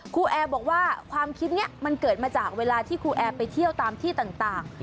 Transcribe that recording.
แอร์บอกว่าความคิดนี้มันเกิดมาจากเวลาที่ครูแอร์ไปเที่ยวตามที่ต่าง